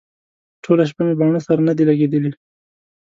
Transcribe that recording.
ټوله شپه مې باڼه سره نه دي لګېدلي.